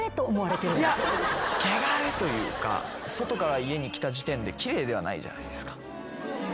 ケガレというか外から家に来た時点で奇麗ではないじゃないですか。